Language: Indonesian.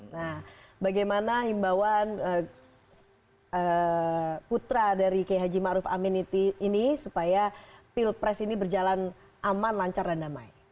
nah bagaimana himbauan putra dari k h ma'ruf aminiti ini supaya pilpres ini berjalan aman lancar dan damai